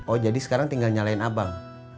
oh jadi sekarang tinggal nyalain abang